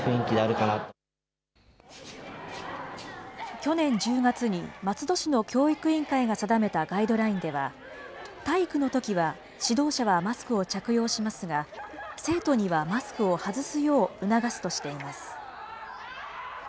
去年１０月に松戸市の教育委員会が定めたガイドラインでは、体育のときは指導者はマスクを着用しますが、生徒にはマスクを外すよう促すとしています。